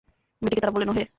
মেয়েটিকে তারা বললেনঃ ওহে!